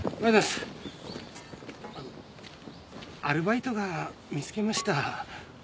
アルバイトが見つけました。